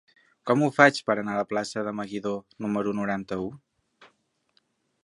Com ho faig per anar a la plaça de Meguidó número noranta-u?